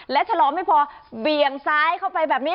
และชะลอไม่พอเบี่ยงซ้ายเข้าไปแบบนี้